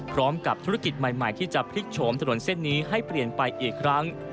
พร้อมกับธุรกิจใหม่ที่จะพลิกโฉมถนนเส้นนี้ให้เปลี่ยนไปอีกครั้ง